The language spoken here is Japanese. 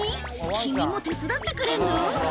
君も手伝ってくれるの？